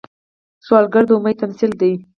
سوالګر د امید تمثیل دی